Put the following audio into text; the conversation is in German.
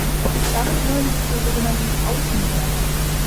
Damit gehören sie zur sogenannten Außenwerbung.